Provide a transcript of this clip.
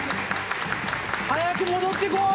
早く戻ってこい！